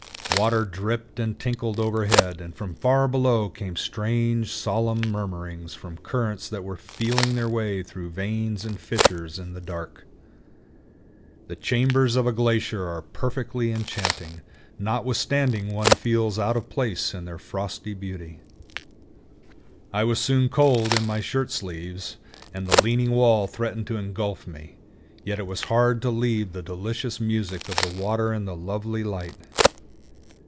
Water dripped and tinkled overhead, and from far below came strange, solemn murmurings from currents that were feeling their way through veins and fissures in the dark. The chambers of a glacier are perfectly enchanting, notwithstanding one feels out of place in their frosty beauty. I was soon cold in my shirt sleeves, and the leaning wall threatened to engulf me; yet it was hard to leave the delicious music of the water and the lovely light.